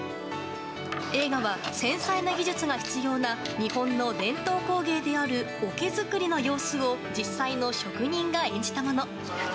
映画は繊細な技術が必要な日本の伝統工芸である桶づくりの様子を実際の職人が演じたもの。